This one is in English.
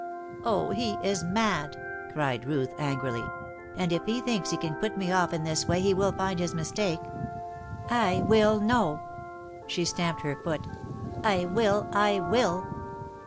"Oh, he is mad!" cried Ruth, angrily. "And if he thinks he can put me off in this way he will find his mistake. I will know!" She stamped her foot. "I will I will!"